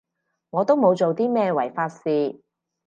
我都冇做啲咩違法事